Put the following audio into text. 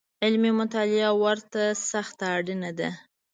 علمي مطالعه ورته سخته اړینه ده